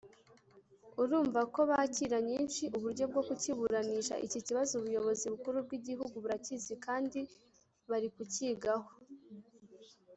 urumva ko bakira nyinshi uburyo bwo kukiburanisha…Iki kibazo ubuyobozi bukuru bw’igihugu burakizi kandi bari kukigaho